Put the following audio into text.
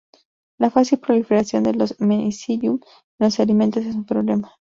La fácil proliferación de los "Penicillium" en los alimentos es un problema.